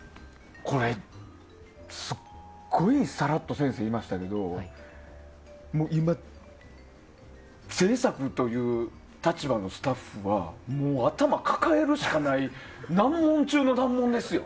すごいさらっと先生、言いましたけど今、制作という立場のスタッフはもう頭抱えるしかない難問中の難問ですよ。